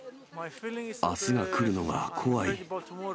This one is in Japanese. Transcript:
あすが来るのが怖い。